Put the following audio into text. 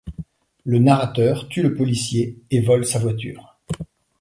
Le narrateur tue le policier et vole sa voiture.